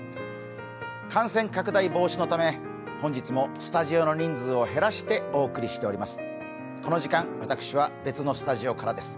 感染拡大防止のため、本日もスタジオの人数を減らしてお送りしております。